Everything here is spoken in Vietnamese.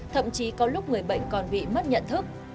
thậm chí có lúc người bệnh còn bị mất nhận thức